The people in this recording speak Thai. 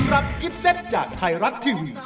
รับกิฟเซตจากไทยรัฐทีวี